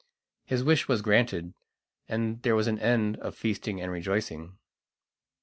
His wish was granted, and there was an end of feasting and rejoicing.